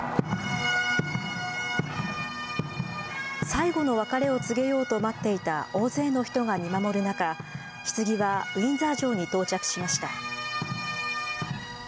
最後の別れを告げようと待っていた大勢の人が見守る中、ひつぎはウィンザー城に到着しました。